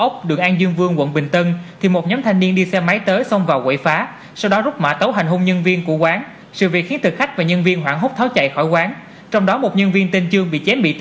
công an quận bình tân đang điều tra vụ một băng nhóm